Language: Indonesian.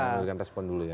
memberikan respon dulu ya